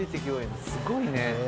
すごいね。